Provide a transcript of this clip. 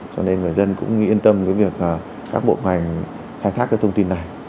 cho nên người dân cũng yên tâm với việc các bộ ngành khai thác cái thông tin này